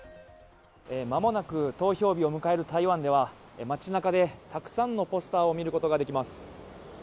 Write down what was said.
間もなく投票日を迎える台湾では、町なかでたくさんのポスターを見ることができます。